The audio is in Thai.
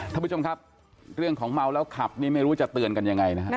ท่านผู้ชมครับเรื่องของเมาแล้วขับนี่ไม่รู้จะเตือนกันยังไงนะฮะ